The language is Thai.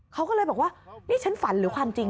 เขาก็เลยบอกว่านี่ฉันฝันหรือความจริง